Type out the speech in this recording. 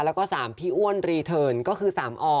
แล้วก็๓พี่อ้วนรีเทิร์นก็คือ๓อ